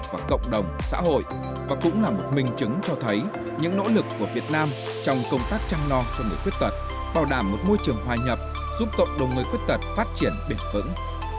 và cũng là một minh chứng cho thấy những nỗ lực của việt nam trong công tác trăng no cho người khuyết tật bảo đảm một môi trường hòa nhập giúp tổng đồng người khuyết tật phát triển bền vững